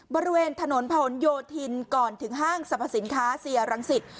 บริเวณถนนผนโยธินก่อนถึงห้างสรรพสินค้าเสียรังสิต